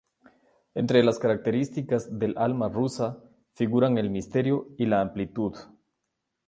Entre las características del "alma rusa" figuran el misterio y la "amplitud".